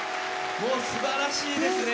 もうすばらしいですね。